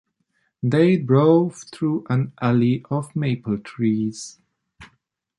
They drove through an alley of maple trees.